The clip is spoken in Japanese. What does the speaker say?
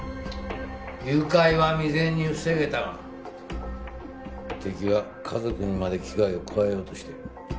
誘拐は未然に防げたが敵は家族にまで危害を加えようとしている。